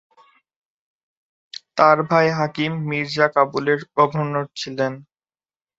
তার ভাই হাকিম মির্জা কাবুলের গভর্নর ছিলেন।